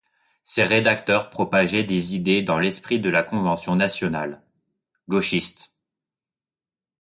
Ses rédacteurs propageaient des idées dans l'esprit de la Convention nationale, gauchiste.